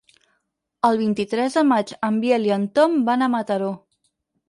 El vint-i-tres de maig en Biel i en Tom van a Mataró.